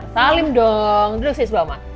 salim dong duduk sini dulu ma